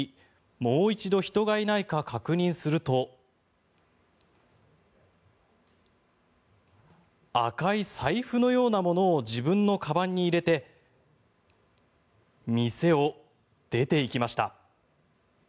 もう一度人がいないか確認すると赤い財布のようなものを自分のかばんに入れて店を出ていきました。